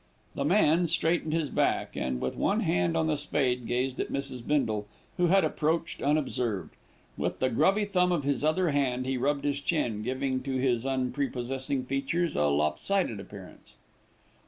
The man straightened his back and, with one hand on the spade, gazed at Mrs. Bindle, who had approached unobserved. With the grubby thumb of his other hand he rubbed his chin, giving to his unprepossessing features a lopsided appearance.